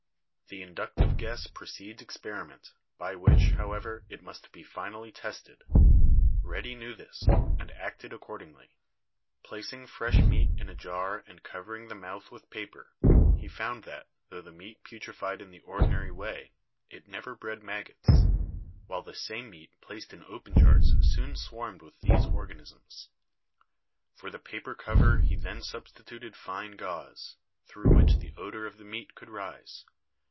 "The inductive guess precedes experiment, by which, however, it must be finally tested. Redi knew this, and acted accordingly. Placing fresh meat in a jar and cover 48 BIOLOGY ing the mouth with paper, he found that, tho the meat put refied in the ordinary way, it never bred maggots, while the same meat placed in open jars soon swarmed with these organisms. For the paper cover he then substituted fine gauze, through which the odor of the meat could rise.